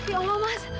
ya allah mas